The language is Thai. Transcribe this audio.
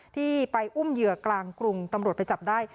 ที่ไปอุ้มเหยื่อกลางกรุงตำรวจไปจับได้